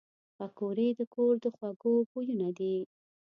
پکورې د کور د خوږو بویونه دي